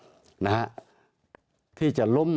ที่จะล้มล้างปรินาทุกทิศทางที่กำจัดปรินา